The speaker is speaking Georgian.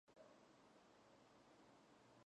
მდებარეობს ჰომსის მუჰაფაზის თადმორის მინტაკაში.